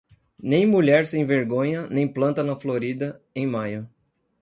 Nem mulher sem vergonha nem planta na florida em maio.